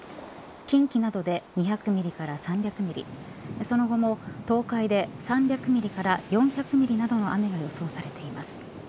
近畿などで２００ミリから３００ミリその後も東海で３００ミリから４００ミリなどの雨が予想されています。